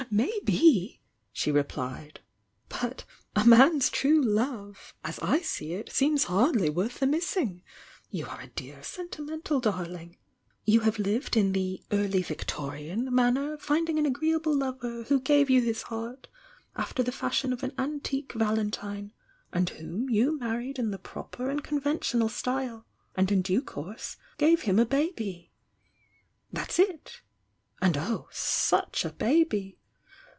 "Maybe!" she replied. "Bute's man's true love' • —as I see it, seems hardly worth the missing! You are a dear, sentimental darling! — you have lived in the 'early Victorian' manner, finding an agreeable lover who gave you his heart, after the fashion of an antique Valentine, and whom you married in the proper and conventional style, and in due course gave him a baby. That's it! And oh, such a baby!